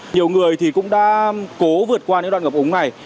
nhiều người thì cũng đã cố vượt qua những đoạn ngập ống này